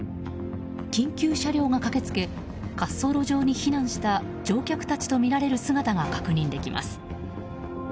緊急車両が駆け付け滑走路上に避難した乗客たちとみられる姿が確認できます。